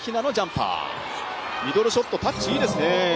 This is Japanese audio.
ミドルショット、タッチいいですね。